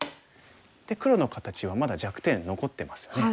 黒の形はまだ弱点残ってますよね。